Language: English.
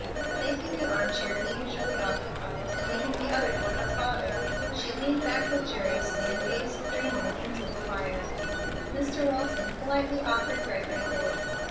Taking the arm chair he usually occupied, and leaving the other for her father, she leaned back luxuriously and gazed dreamily into the fire. Mr. Walton politely offered Gregory his.